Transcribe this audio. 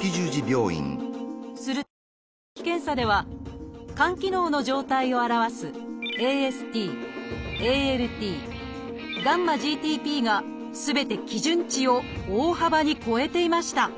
すると血液検査では肝機能の状態を表すＡＳＴＡＬＴγ−ＧＴＰがすべて基準値を大幅に超えていました